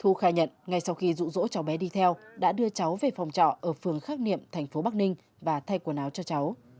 thu khai nhận ngay sau khi rụ rỗ cháu bé đi theo đã đưa cháu về phòng trọ ở phường khắc niệm thành phố bắc ninh và thay quần áo cho cháu